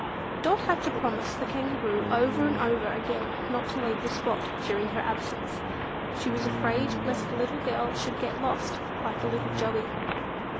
Dot had to promise the Kangaroo over and over again, not to leave the spot during her absence. She was afraid lest the little girl should get lost, like the little Joey.